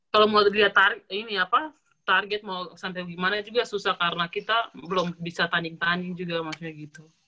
kalau mau dilihat ini apa target mau sampai gimana juga susah karena kita belum bisa tanding tanding juga maksudnya gitu